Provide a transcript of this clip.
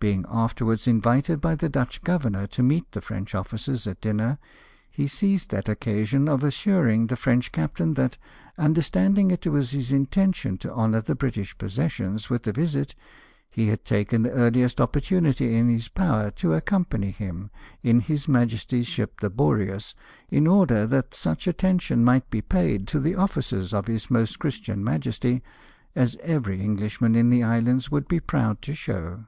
Being afterwards invited by the Dutch governor to meet the French officers at dinner, he seized that occasion of assuring the French captain that, understanding it was his intention to honour the British possessions with a visit, he had taken the earhest opportunity in his power to accompany him, in His Majesty's ship the Boreas, in order that such attention might be paid to the officers of his Most Christian Majesty, as every Englishman in the islands would be proud to show.